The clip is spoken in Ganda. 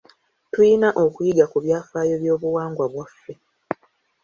Tuyina okuyiga ku byafaayo by'obuwangwa bwaffe.